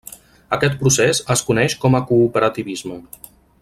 Aquest procés es coneix com a cooperativisme.